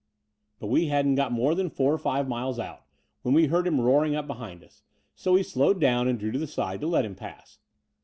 But we hadn't got more than fotir or five miles out, when we heard him roaring up behind us : so we slowed down and drew to the side to let him pass.